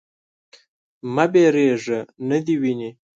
_مه وېرېږه. نه دې ويني.